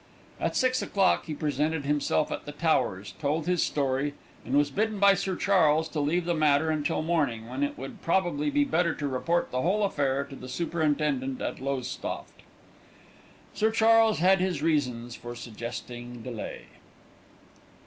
At six o'clock he presented himself at The Towers, told his story, and was bidden by Sir Charles to leave the matter until the morning, when it would probably be better to report the whole affair to the superintendent at Lowestoft. Sir Charles had his reasons for suggesting delay.